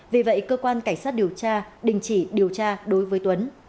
vì vậy cơ quan cảnh sát điều tra đình chỉ điều tra đối với tuấn